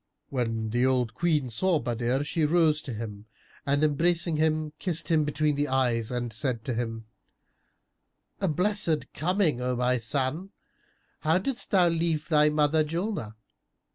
When the old Queen saw Badr, she rose to him and embracing him, kissed him between the eyes and said to him, "A blessed coming, O my son! How didst thou leave thy mother Julnar?"